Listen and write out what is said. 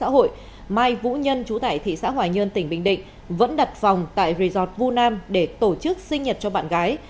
hội mai vũ nhân trú tại thị xã hòa nhơn tỉnh bình định vẫn đặt phòng tại resort vũ nam để tổ chức sinh nhật cho bạn gái